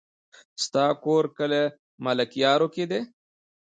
ستا کور کلي ملكيارو کې دی؟